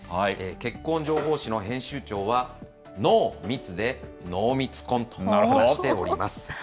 結婚情報誌の編集長は、ＮＯ密で濃密婚と話しております。